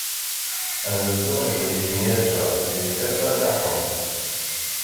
D beddu n leqdic n Yasuɛ di Kafar Naḥum.